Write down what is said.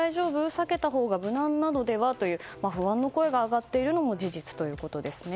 避けたほうが無難なのではと不安の声が上がっているのも事実ということです。